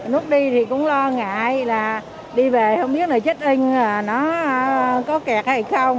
lúc đi thì cũng lo ngại là đi về không biết là chết in nó có kẹt hay không